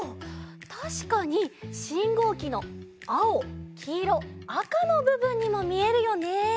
たしかにしんごうきのあおきいろあかのぶぶんにもみえるよね。